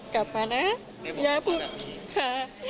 กลับมานะย่าพูดค่ะ